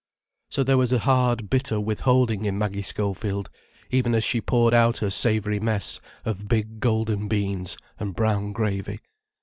So there was a hard, bitter withholding in Maggie Schofield even as she poured out her savoury mess of big golden beans and brown gravy.